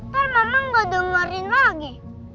kan memang nggak dengerin lagi